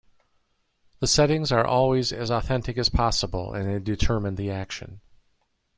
The settings are always as authentic as possible and they determine the action.